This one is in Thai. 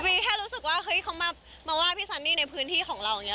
มีแค่รู้สึกว่าเฮ้ยเขามาว่าพี่ซันนี่ในพื้นที่ของเราอย่างนี้